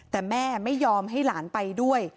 แต่แม่ไม่ยอมให้หลานไปด้วย